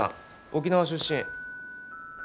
沖縄出身。